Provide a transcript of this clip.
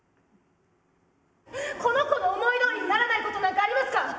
この子の思いどおりにならないことなんかありますか？